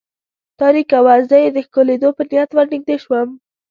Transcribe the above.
تاریکه وه، زه یې د ښکلېدو په نیت ور نږدې شوم.